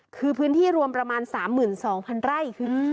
คือพื้นที่รวมประมาณ๓๒๐๐๐ไร่คือ